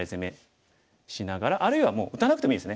あるいはもう打たなくてもいいですね